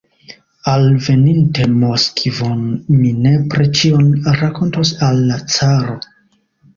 Alveninte Moskvon, mi nepre ĉion rakontos al la caro.